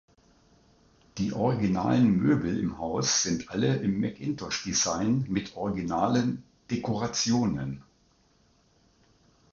Die originalen Möbel im Haus sind alle im Mackintosh-Design mit originalen Dekorationen.